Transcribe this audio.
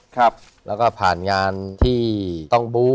แล้วก็ผ่านงานที่ต้องบู้อะ